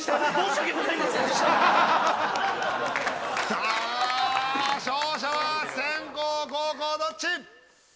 さあ勝者は先攻・後攻どっち？